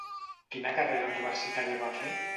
Quina carrera universitària va fer?